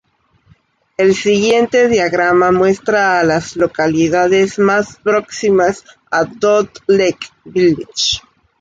El siguiente diagrama muestra a las localidades más próximas a Dot Lake Village.